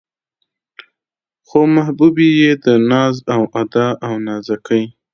خو محبوبې يې د ناز و ادا او نازکۍ